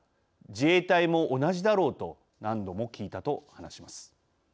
自衛隊も同じだろうと何度も聞いたと話します。